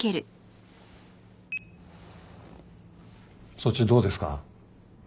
そっちどうですか？